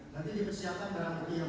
nanti dipersiapkan barang bukti yang